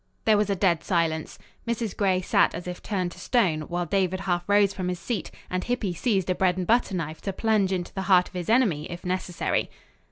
There was a dead silence. Mrs. Gray sat as if turned to stone, while David half rose from his seat and Hippy seized a bread and butter knife to plunge into the heart of his enemy, if necessary.